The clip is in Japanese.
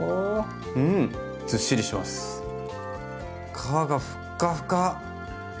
皮がふっかふか。